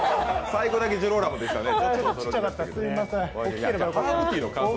最後だけジローラモでしたね。